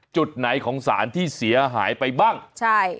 จุดไหนของสารที่เสียหายไปบ้างใช่